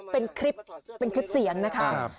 เป็นคลิปเสียงนะครับ